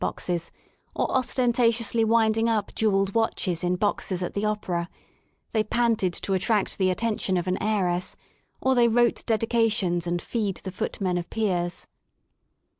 78 WORK IN LONDON snuff boxes or ostentatiously winding up jewelled watches in boxes at the Opera; they panted to attract the attention of an heiress or they wrote dedications and fee*d the footmen of peers.